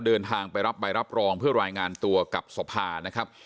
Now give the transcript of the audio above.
เดินทางไปรับใบรับรองเพื่อรายงานตัวกับสภานะครับ